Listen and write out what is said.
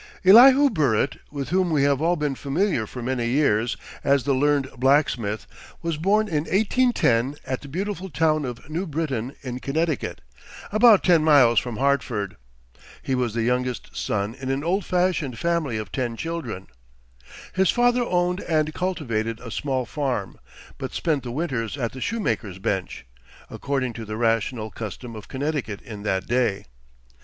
Elihu Burritt, with whom we have all been familiar for many years as the Learned Blacksmith, was born in 1810 at the beautiful town of New Britain, in Connecticut, about ten miles from Hartford. He was the youngest son in an old fashioned family of ten children. His father owned and cultivated a small farm; but spent the winters at the shoemaker's bench, according to the rational custom of Connecticut in that day.